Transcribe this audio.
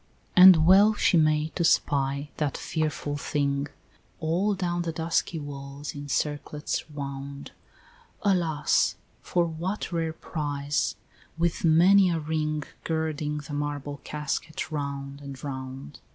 XII. And well she may, to spy that fearful thing All down the dusky walls in circlets wound; Alas! for what rare prize, with many a ring Girding the marble casket round and round?